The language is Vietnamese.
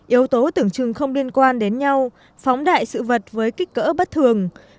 yếu tố tưởng chừng không liên quan đến nhau phóng đại sự vật với kích cỡ bất thường